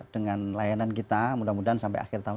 dengan layanan kita mudah mudahan sampai akhir tahun